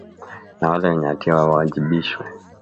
na wale wenye hatia wawajibishwe